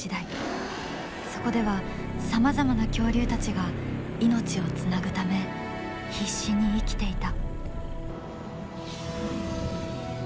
そこではさまざまな恐竜たちが命をつなぐため必死に生きていた。